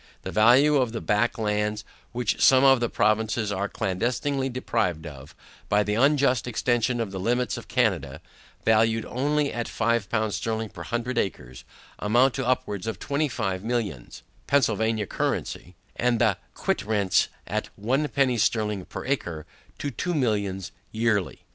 The value of the back lands which some of the provinces are clandestinely deprived of, by the unjust extension of the limits of Canada, valued only at five pounds sterling per hundred acres, amount to upwards of twenty five millions, Pennsylvania currency; and the quit rents at one penny sterling per acre, to two millions yearly.